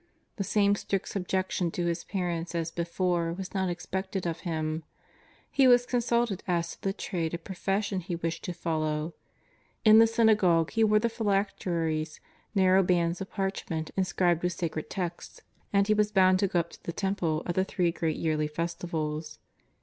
The same strict subjection to his parents as before was not expected of him. He was consulted as to the trade or profession he wished to follow. In the synagogue he wore the phylacteries, narrow bands of parchment in scribed with sacred texts. And he was bound to go up to the Temple at the three great yearly festivals.